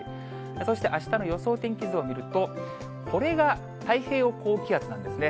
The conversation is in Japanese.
そしてあしたの予想天気図を見ると、これが太平洋高気圧なんですね。